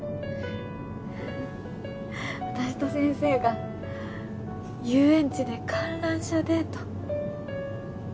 私と先生が遊園地で観覧車デート